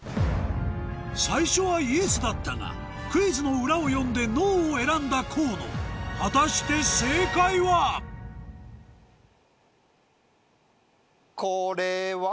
最初はＹｅｓだったがクイズの裏を読んでＮｏを選んだ河野果たして正解はこれは？